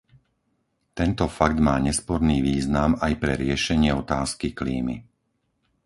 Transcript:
Tento fakt má nesporný význam aj pre riešenie otázky klímy.